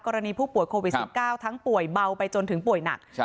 ผู้ป่วยโควิด๑๙ทั้งป่วยเบาไปจนถึงป่วยหนัก